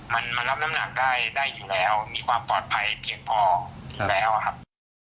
มันมารับน้ำหนักได้อยู่แล้วมีความปลอดภัยเพียงพออยู่แล้วครับ